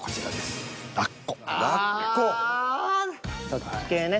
そっち系ね。